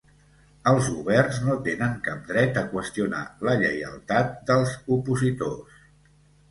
Els governs no tenen cap dret a qüestionar la lleialtat dels opositors.